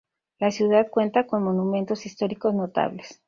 La ciudad cuenta con monumentos históricos notables.